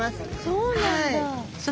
そうなんだ。